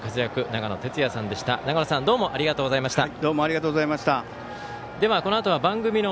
長野さんどうもありがとうございました。